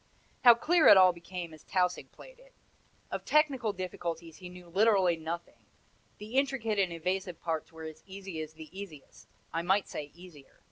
How clear it all became as Tausig played it! Of technical difficulties he knew literally nothing; the intricate and evasive parts were as easy as the easiest I might say easier!